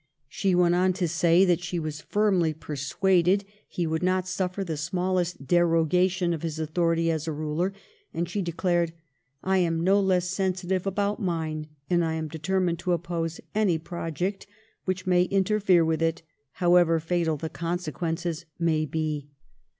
She went on to say, she was firmly persuaded he would not suffer the smallest dero gation of his own authority as a ruler ; and she declared, ' I am no less sensitive about mine ; and I am determined to oppose any project which may interfere with it, however fatal the consequences may be.'